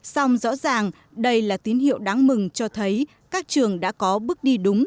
song rõ ràng đây là tín hiệu đáng mừng cho thấy các trường đã có bước đi đúng